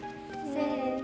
せの。